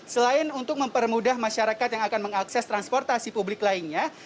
selain untuk mempermudah masyarakat yang akan mengakses transportasi publik lainnya